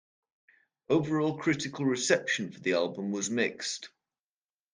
Overall, critical reception for the album was mixed.